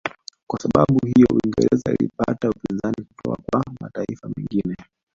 Kwa sababu iyo Uingereza ilipata upinzani kutoka kwa mataifa mengine